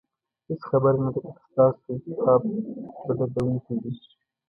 هېڅ خبره نه ده که ستاسو انتخاب به دردونکی وي.